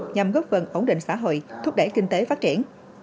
nhằm góp phần ổn định xã hội thúc đẩy kinh tế phát triển